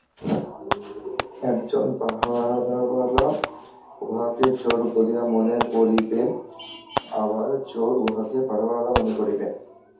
একজন পাহারাওয়ালা উহাকে চোর বলিয়া মনে করিবে, আবার চোর উহাকে পাহারাওয়ালা মনে করিবে।